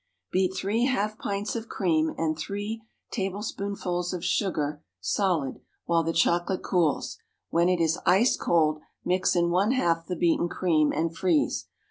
Beat three half pints of cream and three tablespoonfuls of sugar solid while the chocolate cools; when it is ice cold mix in one half the beaten cream, and freeze.